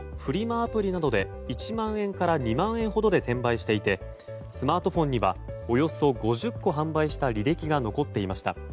アプリなどで１万円から２万円ほどで転売していてスマートフォンにはおよそ５０個販売した履歴が残っていました。